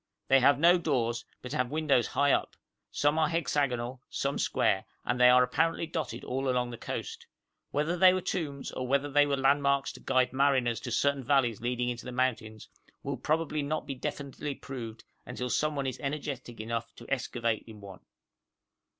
They have no doors, but have windows high up: some are hexagonal, some square, and they are apparently dotted all along the coast. Whether they were tombs, or whether they were landmarks to guide mariners to certain valleys leading into the mountains, will probably not be definitely proved until someone is energetic enough to excavate in one.